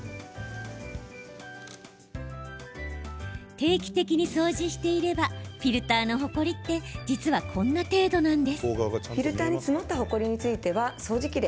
定期的に掃除していればフィルターのほこりって実は、こんな程度なんです。